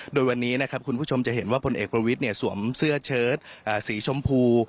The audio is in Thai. โดยวันนี้นะครับคุณผู้ชมจะเห็นว่าพลเอกประวิทย์สวมเสื้อเชิดสีชมพู